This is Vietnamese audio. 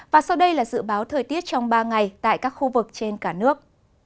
và sau đây là dự báo thời tiết trong ba ngày tại các khu vực trên cả nước